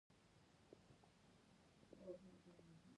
پابندي غرونه د افغانستان د چاپیریال مدیریت لپاره مهم دي.